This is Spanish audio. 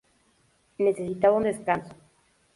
Necesitaba un descanso.